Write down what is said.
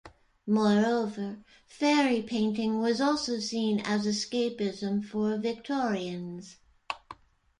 Moreover, fairy painting was also seen as escapism for Victorians.